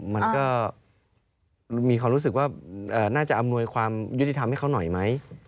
มันก็มีความรู้สึกว่าน่าจะอำนวยความยุติธรรมให้เขาหน่อยไหม